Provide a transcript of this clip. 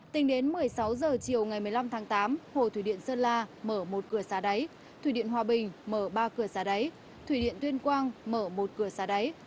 tính đến một mươi sáu h chiều ngày một mươi năm tháng tám hồ thủy điện sơn la mở một cửa xà đáy thủy điện hòa bình mở ba cửa xà đáy thủy điện tuyên quang mở một cửa xa đáy